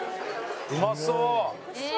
うまそう！